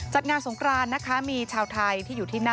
จัดงานสงครานนะคะมีชาวไทยที่อยู่ที่นั่น